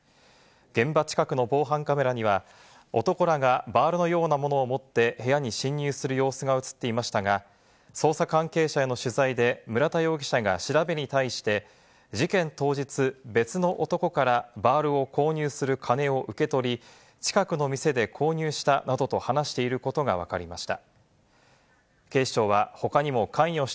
現場近くの防犯カメラには男らがバールのようなものを持って部屋に侵入する様子が映っていましたが、捜査関係者への取材で村田容疑者が調べに対して、事件の当日、別の男からバールを購入する金を受け取り、近くの店で購入したなどと話しているということがわかりました。